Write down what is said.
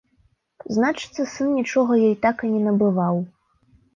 Значыцца, сын нічога ёй так і не набываў.